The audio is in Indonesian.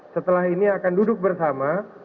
setelah ini akan duduk bersama